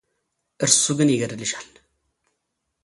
እርሱ ግን ይገድልሻል::